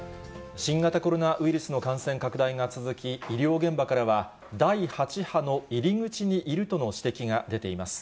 新型コロナウイルスの感染拡大が続き、医療現場からは、第８波の入り口にいるとの指摘が出ています。